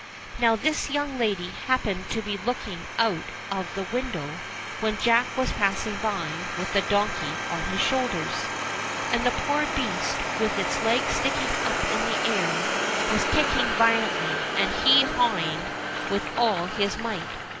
Now this young lady happened to be looking out of the window when Jack was passing by with the donkey on his shoulders ; and the poor beast with its legs sticking up in the air was kicking violently and hee hawing with all its might.